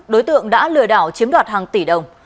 đối tượng đã lừa đảo chiếm đoạt hàng tỷ đồng